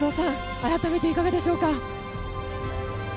改めていかがでしょうか？